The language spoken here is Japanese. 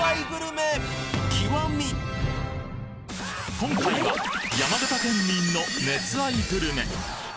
今回は山形県民の熱愛グルメ